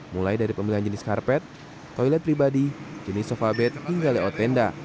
mulai dari pembelian jenis karpet toilet pribadi jenis sofa bed hingga layout tenda